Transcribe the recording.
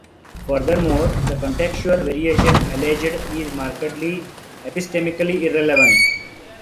Furthermore, the contextual variation alleged is markedly epistemically irrelevant.